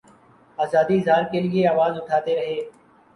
آزادیٔ اظہار کیلئے آواز اٹھاتے رہے۔